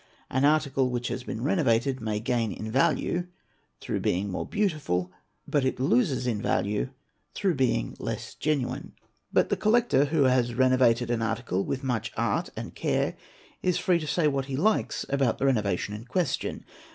An article which has been renovated may gain in value through being more beautiful but it loses in value through being | less genuine. | But the collector who has renovated an article with much art and care is free to say what he likes about the renovation in question.